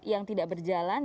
yang tidak berjalan